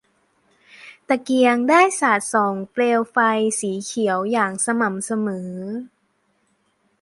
ตะเกียงได้สาดส่องเปลงไฟสีเขียวอย่างสม่ำเสมอ